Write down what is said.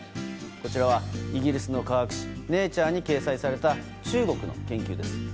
こちらはイギリスの科学誌「ネイチャー」に掲載された中国の研究です。